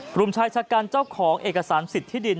กลุ่มชายชะกันเจ้าของเอกสารสิทธิดิน